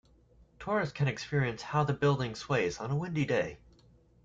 Tourists can experience how the building sways on a windy day.